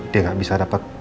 dia nggak bisa dapat